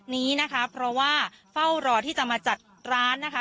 นี้นะคะเพราะว่าเฝ้ารอที่จะมาจัดร้านนะคะ